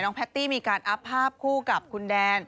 แพตตี้มีการอัพภาพคู่กับคุณแดน